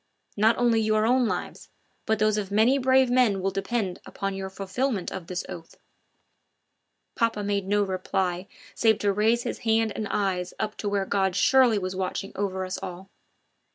Not only your own lives, but those of many brave men will depend upon your fulfilment of this oath." Papa made no reply save to raise his hand and eyes up to where God surely was watching over us all.